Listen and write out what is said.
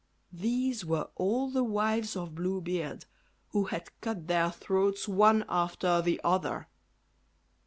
These were all the wives of Blue Beard, who had cut their throats one after the other.